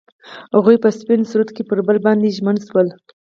هغوی په سپین سرود کې پر بل باندې ژمن شول.